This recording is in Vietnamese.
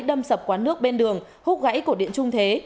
đâm sập quán nước bên đường hút gãy của điện trung thế